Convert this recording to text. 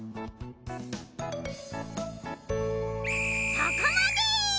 そこまで！